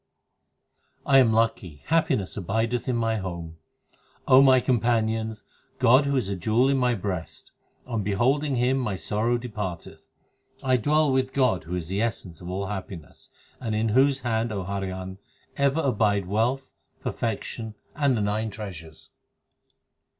7 I am lucky ; x happiness abideth in my home ; my companions, God who is a jewel is in my breast ; on beholding Him my sorrow depart eth. 1 dwell with God who is the essence of all happiness, And in whose hand, O Harihan, ever abide wealth, per fection, and the nine treasures.